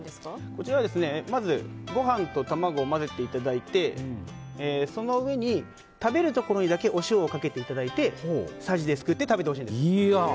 こちらはまずご飯と卵を混ぜていただいてそのうえに食べるところにだけお塩をかけていただいてさじですくって食べていただきたいんです。